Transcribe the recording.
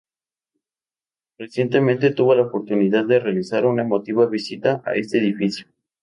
Recientemente tuvo la oportunidad de realizar una emotiva visita a este edificio.